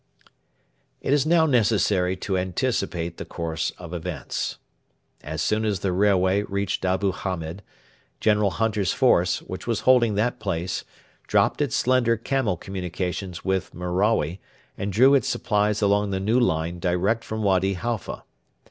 It is now necessary to anticipate the course of events. As soon as the railway reached Abu Hamed, General Hunter's force, which was holding that place, dropped its slender camel communications with Merawi and drew its supplies along the new line direct from Wady Halfa.